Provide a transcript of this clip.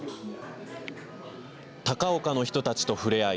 高岡の人たちと触れ合い